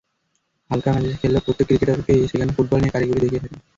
হালকা মেজাজে খেললেও প্রত্যেক ক্রিকেটারই সেখানে ফুটবল নিয়ে কারিকুরি দেখিয়ে থাকেন।